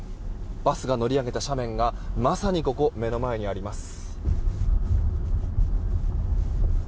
バスが乗り上げた斜面がまさにここ目の前にあります。